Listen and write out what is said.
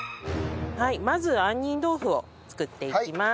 まず杏仁豆腐を作っていきます。